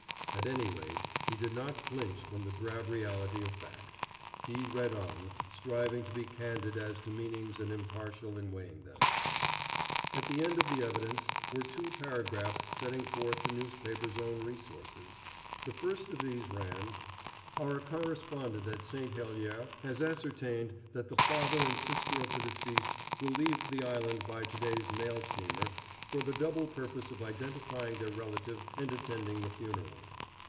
At any rate, he did not flinch from the drab reality of fact. He read on, striving to be candid as to meanings and impartial in weighing them. At the end of the evidence were two paragraphs setting forth the newspaper's own researches. The first of these ran: Our correspondent at St. Heliers has ascertained that the father and sister of the deceased will leave the island by to day's mail steamer for the double purpose of identifying their relative and attending the funeral.